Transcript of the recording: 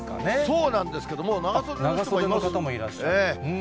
そうなんですけども、もう長袖の方もいらっしゃいますね。